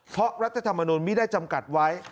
เพราะรัฐธรรมนุนไม่ได้จำกัดไว้